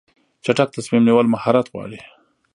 چټک تصمیم نیول مهارت غواړي.